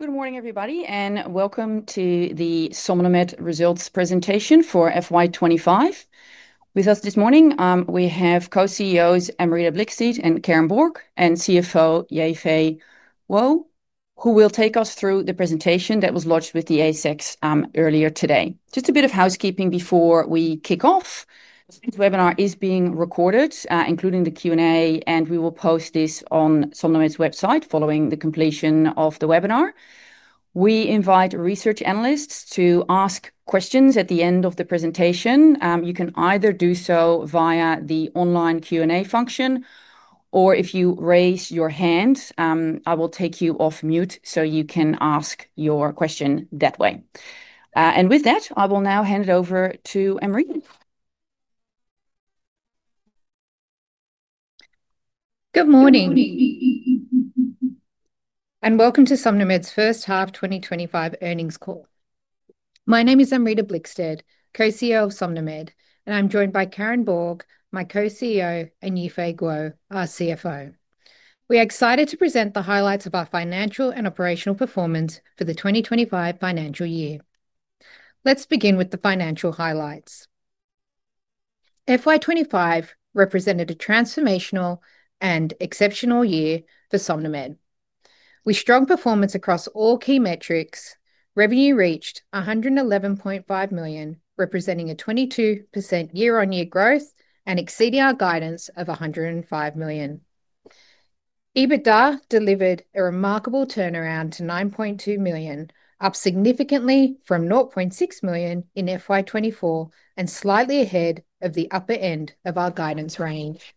Good morning, everybody, and welcome to the SomnoMed Results presentation for FY2025. With us this morning, we have Co-CEOs Amrita Blickstead and Karen Borg, and CFO Ye-Fei Guo, who will take us through the presentation that was launched with the ASX earlier today. Just a bit of housekeeping before we kick off. This webinar is being recorded, including the Q&A, and we will post this on SomnoMed's website following the completion of the webinar. We invite research analysts to ask questions at the end of the presentation. You can either do so via the online Q&A function, or if you raise your hand, I will take you off mute so you can ask your question that way. With that, I will now hand it over to Amrita. Good morning. Welcome to SomnoMed's First Half 2025 Earnings Call. My name is Amrita Blickstead, Co-CEO of SomnoMed, and I'm joined by Karen Borg, my Co-CEO, and Ye-Fei Guo, our CFO. We are excited to present the highlights of our financial and operational performance for the 2025 financial year. Let's begin with the financial highlights. FY2025 represented a transformational and exceptional year for SomnoMed. With strong performance across all key metrics, revenue reached $111.5 million, representing a 22% year-on-year growth and exceeding our guidance of $105 million. EBITDA delivered a remarkable turnaround to $9.2 million, up significantly from $0.6 million in FY2024 and slightly ahead of the upper end of our guidance range.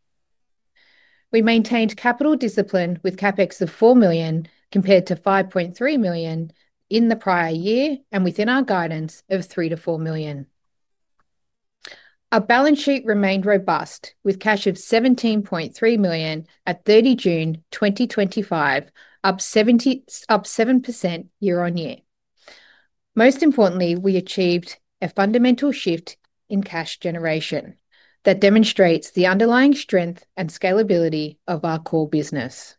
We maintained capital discipline with capex of $4 million compared to $5.3 million in the prior year and within our guidance of $3 million-$4 million. Our balance sheet remained robust with cash of $17.3 million at 30 June 2025, up 7% year-on-year. Most importantly, we achieved a fundamental shift in cash generation that demonstrates the underlying strength and scalability of our core business.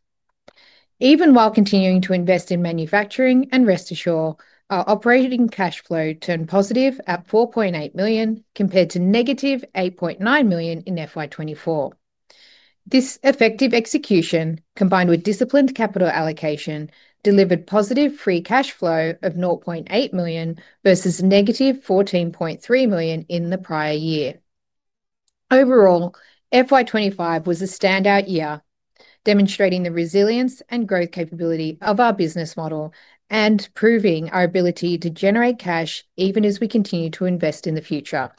Even while continuing to invest in manufacturing and Rest Assure, our operating cash flow turned positive at $4.8 million compared to -$8.9 million in FY2024. This effective execution, combined with disciplined capital allocation, delivered positive free cash flow of $0.8 million versus negative $14.3 million in the prior year. Overall, FY2025 was a standout year, demonstrating the resilience and growth capability of our business model and proving our ability to generate cash even as we continue to invest in the future.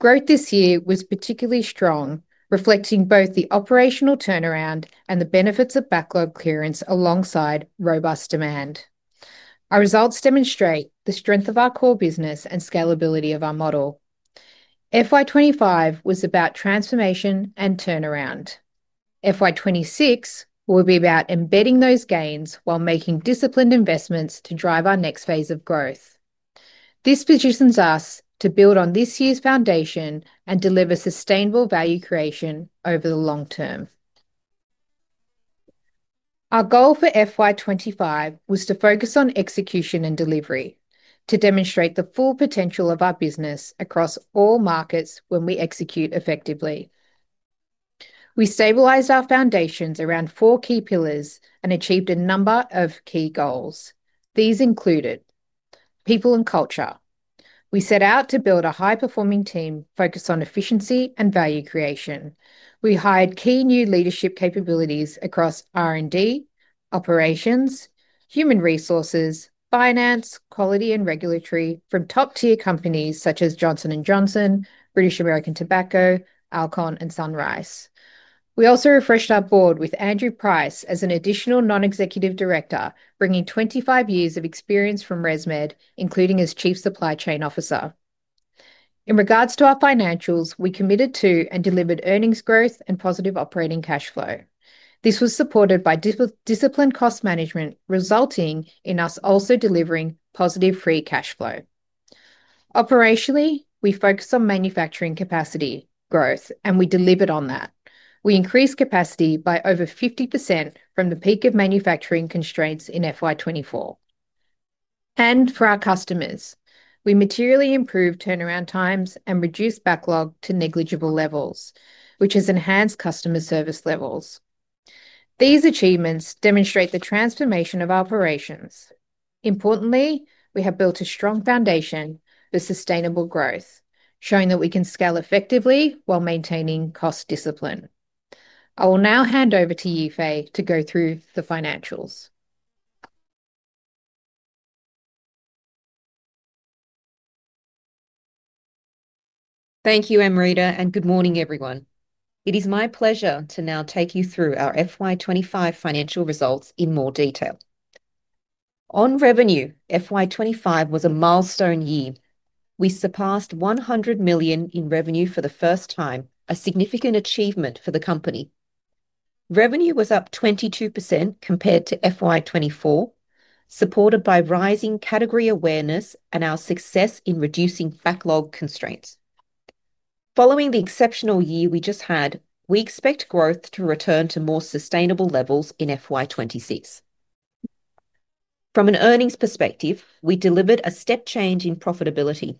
Growth this year was particularly strong, reflecting both the operational turnaround and the benefits of backlog clearance alongside robust demand. Our results demonstrate the strength of our core business and scalability of our model. FY2025 was about transformation and turnaround. FY2026 will be about embedding those gains while making disciplined investments to drive our next phase of growth. This positions us to build on this year's foundation and deliver sustainable value creation over the long term. Our goal for FY2025 was to focus on execution and delivery to demonstrate the full potential of our business across all markets when we execute effectively. We stabilized our foundations around four key pillars and achieved a number of key goals. These included people and culture. We set out to build a high-performing team focused on efficiency and value creation. We hired key new leadership capabilities across R&D, operations, human resources, finance, quality, and regulatory from top-tier companies such as Johnson & Johnson, British American Tobacco, Alcon, and Sunrise.We also refreshed our board with Andrew Price as an additional Non-Executive Director, bringing 25 years of experience from ResMed, including as Chief Supply Chain Officer. In regards to our financials, we committed to and delivered earnings growth and positive operating cash flow. This was supported by disciplined cost management, resulting in us also delivering positive free cash flow. Operationally, we focused on manufacturing capacity growth, and we delivered on that. We increased capacity by over 50% from the peak of manufacturing constraints in FY2024. For our customers, we materially improved turnaround times and reduced backlog to negligible levels, which has enhanced customer service levels. These achievements demonstrate the transformation of operations. Importantly, we have built a strong foundation for sustainable growth, showing that we can scale effectively while maintaining cost discipline. I will now hand over to Ye-Fei to go through the financials. Thank you, Amrita, and good morning, everyone. It is my pleasure to now take you through our FY2025 Financial Results in more detail. On revenue, FY2025 was a milestone year. We surpassed $100 million in revenue for the first time, a significant achievement for the company. Revenue was up 22% compared to FY2024, supported by rising category awareness and our success in reducing backlog constraints. Following the exceptional year we just had, we expect growth to return to more sustainable levels in FY2026. From an earnings perspective, we delivered a step change in profitability.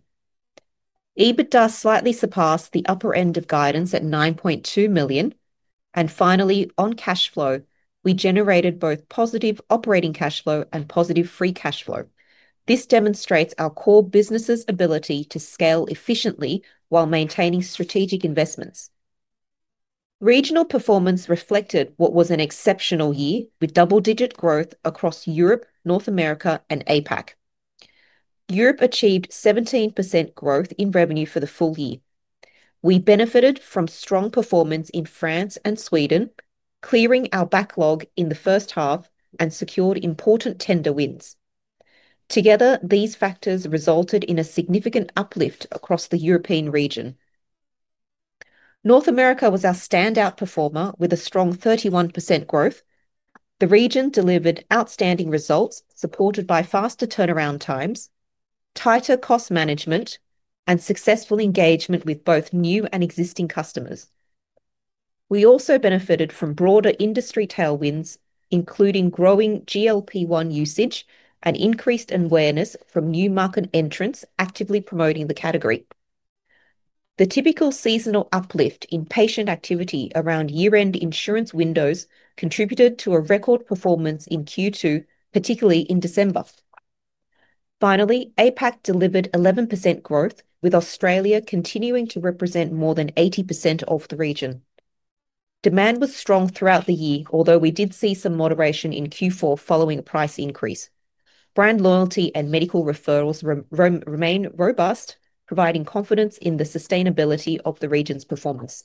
EBITDA slightly surpassed the upper end of guidance at $9.2 million. Finally, on cash flow, we generated both positive operating cash flow and positive free cash flow. This demonstrates our core business's ability to scale efficiently while maintaining strategic investments. Regional performance reflected what was an exceptional year with double-digit growth across Europe, North America, and APAC. Europe achieved 17% growth in revenue for the full year. We benefited from strong performance in France and Sweden, clearing our backlog in the first half and secured important tender wins. Together, these factors resulted in a significant uplift across the European region. North America was our standout performer with a strong 31% growth. The region delivered outstanding results supported by faster turnaround times, tighter cost management, and successful engagement with both new and existing customers. We also benefited from broader industry tailwinds, including growing GLP-1 usage and increased awareness from new market entrants actively promoting the category. The typical seasonal uplift in patient activity around year-end insurance windows contributed to a record performance in Q2, particularly in December. Finally, APAC delivered 11% growth, with Australia continuing to represent more than 80% of the region. Demand was strong throughout the year, although we did see some moderation in Q4 following a price increase. Brand loyalty and medical referrals remain robust, providing confidence in the sustainability of the region's performance.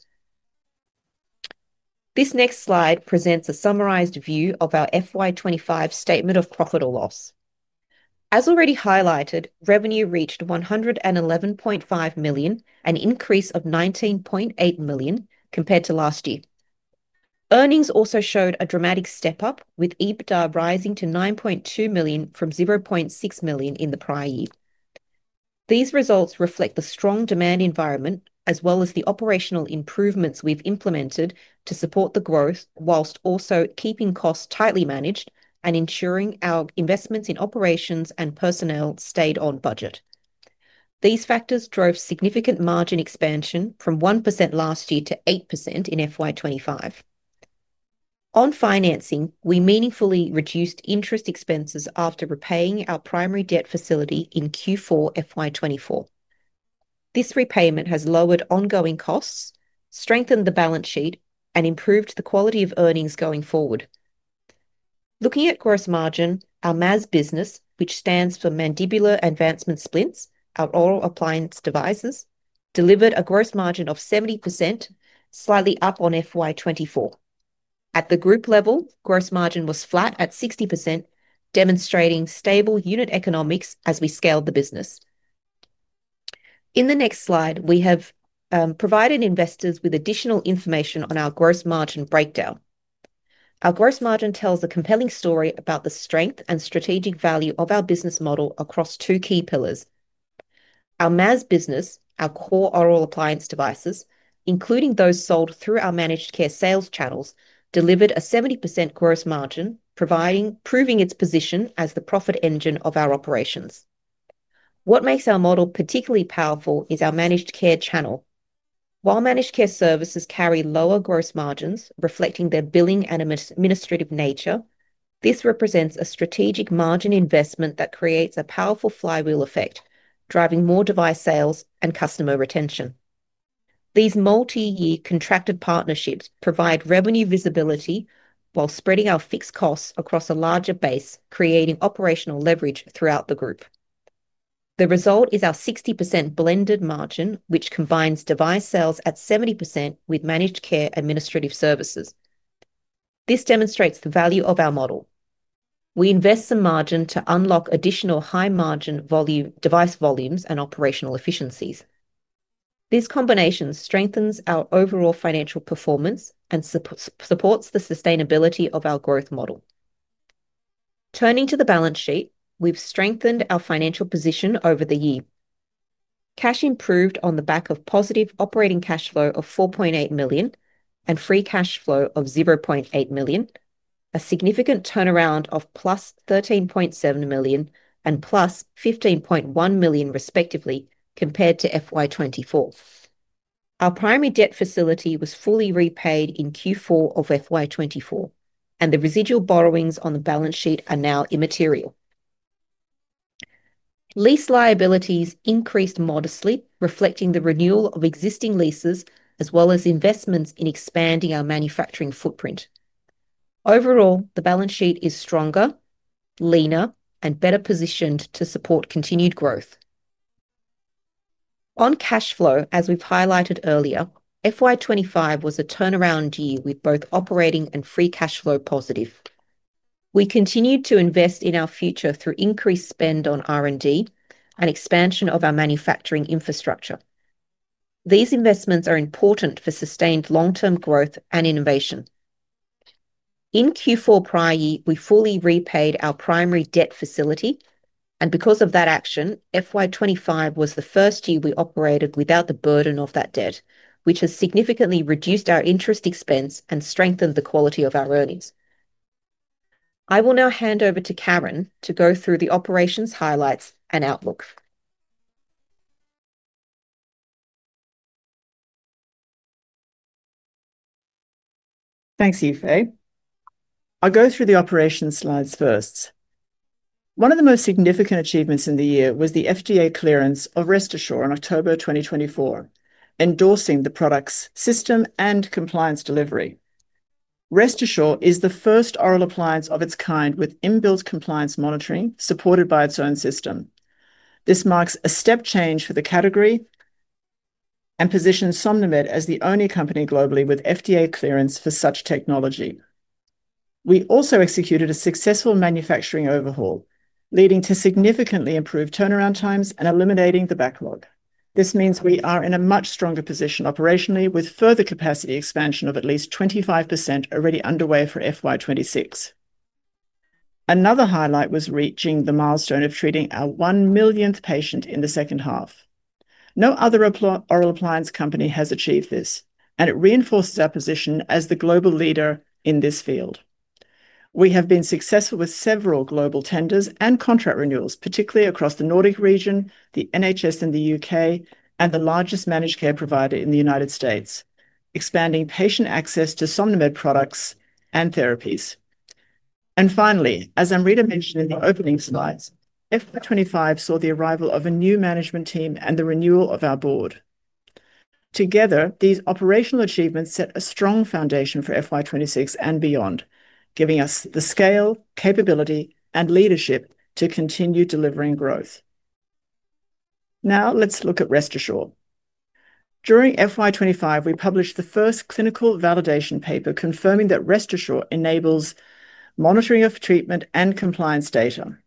This next slide presents a summarized view of our FY2025 statement of profit or loss. As already highlighted, revenue reached $111.5 million, an increase of $19.8 million compared to last year. Earnings also showed a dramatic step up, with EBITDA rising to $9.2 million from $0.6 million in the prior year. These results reflect the strong demand environment, as well as the operational improvements we've implemented to support the growth whilst also keeping costs tightly managed and ensuring our investments in operations and personnel stayed on budget. These factors drove significant margin expansion from 1% last year to 8% in FY2025. On financing, we meaningfully reduced interest expenses after repaying our primary debt facility in Q4 FY2024. This repayment has lowered ongoing costs, strengthened the balance sheet, and improved the quality of earnings going forward. Looking at gross margin, our MAZ business, which stands for Mandibular Advancement Splints, our oral appliance devices, delivered a gross margin of 70%, slightly up on FY2024. At the group level, gross margin was flat at 60%, demonstrating stable unit economics as we scaled the business. In the next slide, we have provided investors with additional information on our gross margin breakdown. Our gross margin tells a compelling story about the strength and strategic value of our business model across two key pillars. Our MAZ business, our core oral appliance devices, including those sold through our managed care sales channels, delivered a 70% gross margin, proving its position as the profit engine of our operations. What makes our model particularly powerful is our managed care channel. While managed care services carry lower gross margins, reflecting their billing and administrative nature, this represents a strategic margin investment that creates a powerful flywheel effect, driving more device sales and customer retention. These multi-year contracted partnerships provide revenue visibility while spreading our fixed costs across a larger base, creating operational leverage throughout the group. The result is our 60% blended margin, which combines device sales at 70% with managed care administrative services. This demonstrates the value of our model. We invest some margin to unlock additional high margin device volumes and operational efficiencies. This combination strengthens our overall financial performance and supports the sustainability of our growth model. Turning to the balance sheet, we've strengthened our financial position over the year. Cash improved on the back of positive operating cash flow of $4.8 million and free cash flow of $0.8 million, a significant turnaround of +$13.7 million and +$15.1 million, respectively, compared to FY2024. Our primary debt facility was fully repaid in Q4 of FY2024, and the residual borrowings on the balance sheet are now immaterial. Lease liabilities increased modestly, reflecting the renewal of existing leases as well as investments in expanding our manufacturing footprint. Overall, the balance sheet is stronger, leaner, and better positioned to support continued growth. On cash flow, as we've highlighted earlier, FY2025 was a turnaround year with both operating and free cash flow positive. We continued to invest in our future through increased spend on R&D and expansion of our manufacturing infrastructure. These investments are important for sustained long-term growth and innovation. In Q4 prior year, we fully repaid our primary debt facility, and because of that action, FY2025 was the first year we operated without the burden of that debt, which has significantly reduced our interest expense and strengthened the quality of our earnings. I will now hand over to Karen to go through the operations highlights and outlook. Thanks, Ye-Fei. I'll go through the operations slides first. One of the most significant achievements in the year was the FDA clearance of Rest Assure in October 2024, endorsing the product's system and compliance delivery. Rest Assure is the first oral appliance of its kind with inbuilt compliance monitoring supported by its own system. This marks a step change for the category and positions SomnoMed as the only company globally with FDA clearance for such technology. We also executed a successful manufacturing overhaul, leading to significantly improved turnaround times and eliminating the backlog. This means we are in a much stronger position operationally, with further capacity expansion of at least 25% already underway for FY2026. Another highlight was reaching the milestone of treating our one millionth patient in the second half. No other oral appliance company has achieved this, and it reinforces our position as the global leader in this field. We have been successful with several global tenders and contract renewals, particularly across the Nordic region, the NHS in the UK, and the largest managed care provider in the United States, expanding patient access to SomnoMed products and therapies. As Amrita mentioned in the opening slides, FY2025 saw the arrival of a new management team and the renewal of our board. Together, these operational achievements set a strong foundation for FY2026 and beyond, giving us the scale, capability, and leadership to continue delivering growth. Now let's look at Rest Assure. During FY2025, we published the first clinical validation paper confirming that Rest Assure enables monitoring of treatment and compliance data.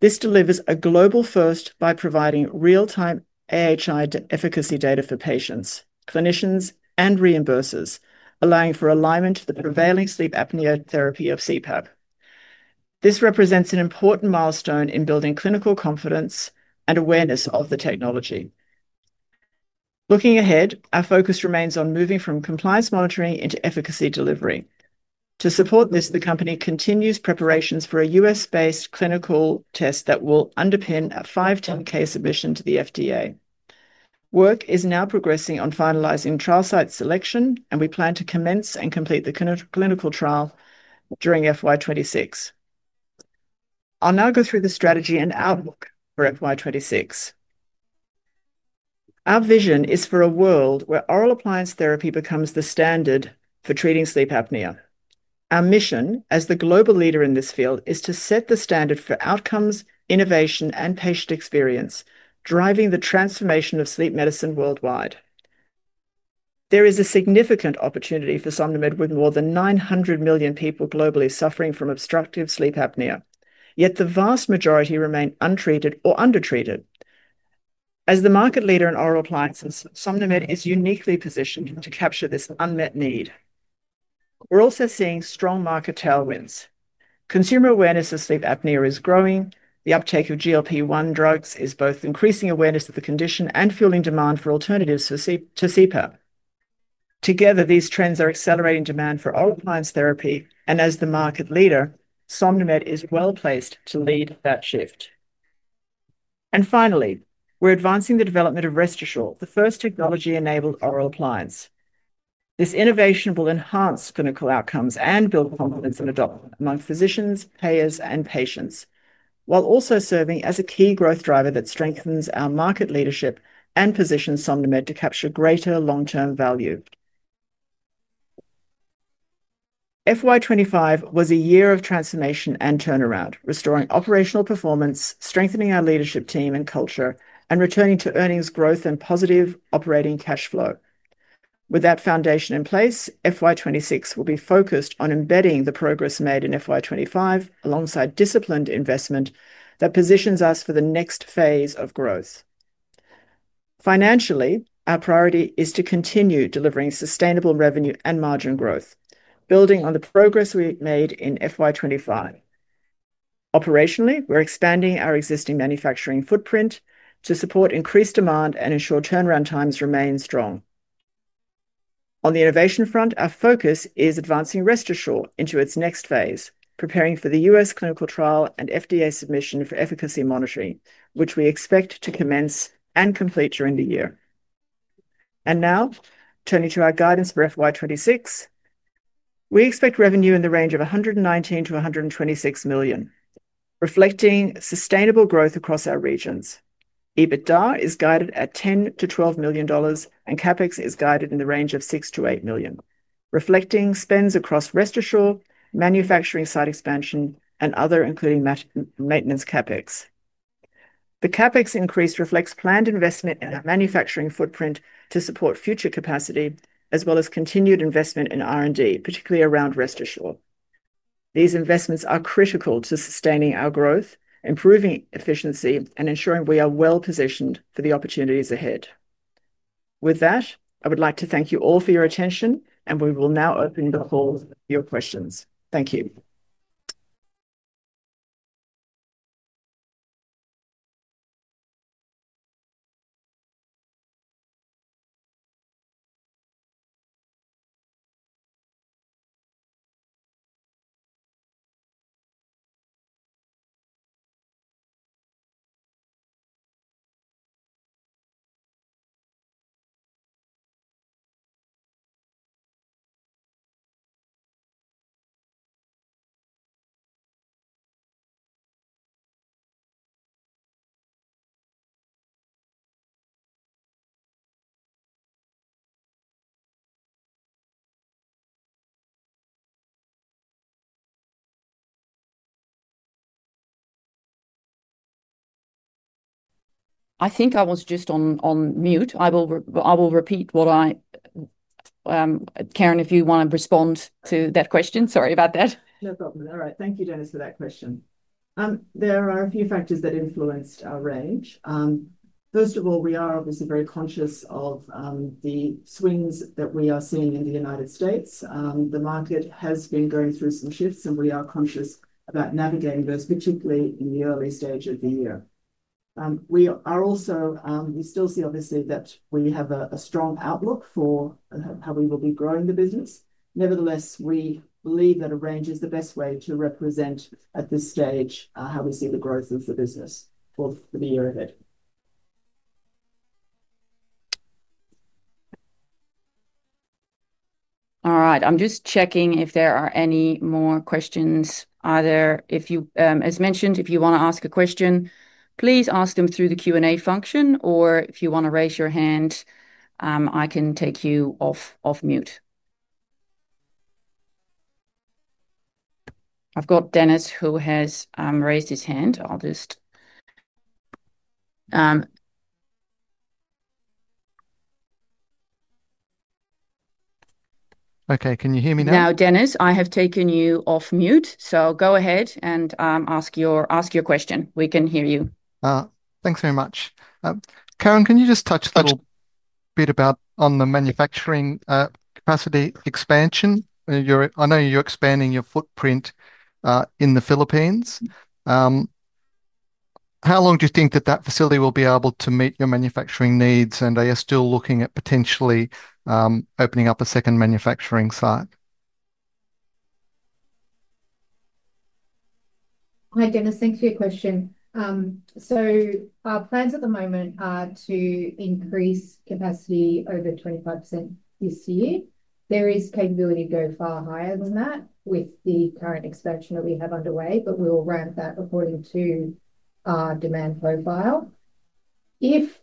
This delivers a global first by providing real-time AHI efficacy data for patients, clinicians, and reimbursers, allowing for alignment to the prevailing sleep apnea therapy of CPAP. This represents an important milestone in building clinical confidence and awareness of the technology. Looking ahead, our focus remains on moving from compliance monitoring into efficacy delivery. To support this, the company continues preparations for a US-based clinical test that will underpin a 510(k) submission to the FDA. Work is now progressing on finalizing trial site selection, and we plan to commence and complete the clinical trial during FY2026. I'll now go through the strategy and outlook for FY2026. Our vision is for a world where oral appliance therapy becomes the standard for treating sleep apnea. Our mission as the global leader in this field is to set the standard for outcomes, innovation, and patient experience, driving the transformation of sleep medicine worldwide. There is a significant opportunity for SomnoMed Limited with more than 900 million people globally suffering from obstructive sleep apnea, yet the vast majority remain untreated or undertreated. As the market leader in oral appliances, SomnoMed Limited is uniquely positioned to capture this unmet need. We're also seeing strong market tailwinds. Consumer awareness of sleep apnea is growing. The uptake of GLP-1 drugs is both increasing awareness of the condition and fueling demand for alternatives to CPAP. Together, these trends are accelerating demand for oral appliance therapy, and as the market leader, SomnoMed Limited is well placed to lead that shift. Finally, we're advancing the development of Rest Assure, the first technology-enabled oral appliance. This innovation will enhance clinical outcomes and build confidence and adoption among physicians, payers, and patients, while also serving as a key growth driver that strengthens our market leadership and positions SomnoMed Limited to capture greater long-term value. FY2025 was a year of transformation and turnaround, restoring operational performance, strengthening our leadership team and culture, and returning to earnings growth and positive operating cash flow. With that foundation in place, FY2026 will be focused on embedding the progress made in FY2025 alongside disciplined investment that positions us for the next phase of growth. Financially, our priority is to continue delivering sustainable revenue and margin growth, building on the progress we made in FY2025. Operationally, we're expanding our existing manufacturing footprint to support increased demand and ensure turnaround times remain strong. On the innovation front, our focus is advancing Rest Assure into its next phase, preparing for the U.S. clinical trial and FDA submission for efficacy monitoring, which we expect to commence and complete during the year. Now, turning to our guidance for FY2026, we expect revenue in the range of $119 million-$126 million, reflecting sustainable growth across our regions. EBITDA is guided at $10 million-$12 million, and capex is guided in the range of $6 million-$8 million, reflecting spends across Rest Assure, manufacturing site expansion, and other, including maintenance capex. The capex increase reflects planned investment in our manufacturing footprint to support future capacity, as well as continued investment in R&D, particularly around Rest Assure. These investments are critical to sustaining our growth, improving efficiency, and ensuring we are well positioned for the opportunities ahead. With that, I would like to thank you all for your attention, and we will now open the floor to your questions. Thank you. I think I was just on mute. I will repeat what I... Karen, if you want to respond to that question, sorry about that. No problem. All right. Thank you, Dennis, for that question. There are a few factors that influenced our range. First of all, we are obviously very conscious of the swings that we are seeing in the United States. The market has been going through some shifts, and we are conscious about navigating those, particularly in the early stage of the year. We still see, obviously, that we have a strong outlook for how we will be growing the business. Nevertheless, we believe that a range is the best way to represent, at this stage, how we see the growth of the business for the year ahead. All right. I'm just checking if there are any more questions. If you want to ask a question, please ask them through the Q&A function, or if you want to raise your hand, I can take you off mute. I've got Dennis, who has raised his hand. I'll just... Okay, can you hear me now? Now, Dennis, I have taken you off mute, so go ahead and ask your question. We can hear you. Thanks very much. Karen, can you just touch a little bit about on the manufacturing capacity expansion? I know you're expanding your footprint in the Philippines. How long do you think that that facility will be able to meet your manufacturing needs? Are you still looking at potentially opening up a second manufacturing site? Hi, Dennis. Thanks for your question. Our plans at the moment are to increase capacity over 25% this year. There is capability to go far higher than that with the current expansion that we have underway, but we will ramp that according to our demand profile. If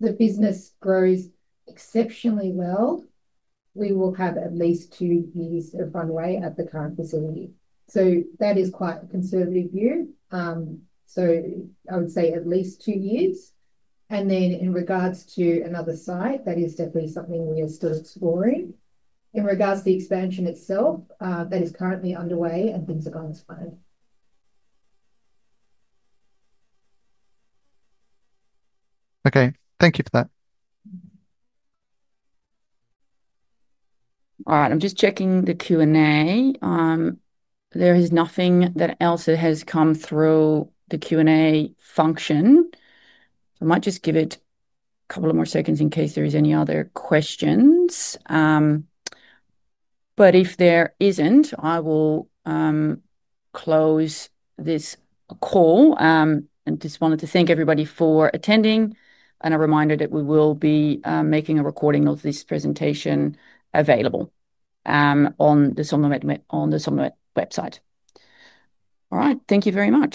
the business grows exceptionally well, we will have at least two years of runway at the current facility. That is quite a conservative view. I would say at least two years. In regards to another site, that is definitely something we are still exploring. In regards to the expansion itself, that is currently underway and things are going smooth. Okay, thank you for that. All right. I'm just checking the Q&A. There is nothing else that has come through the Q&A function. I might just give it a couple more seconds in case there are any other questions. If there isn't, I will close this call. I just wanted to thank everybody for attending and a reminder that we will be making a recording of this presentation available on the SomnoMed website. All right. Thank you very much.